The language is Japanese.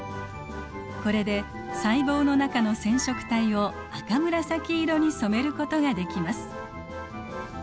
これで細胞の中の染色体を赤紫色に染めることができます。